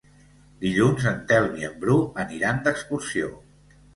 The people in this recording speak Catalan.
Dilluns en Telm i en Bru aniran d'excursió.